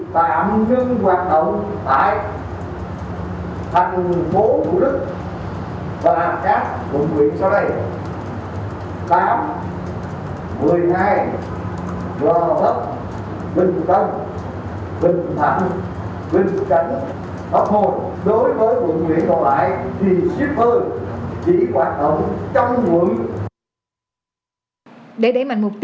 thủ tướng hải khẳng định